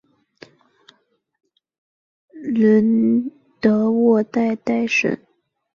伦德沃代代什。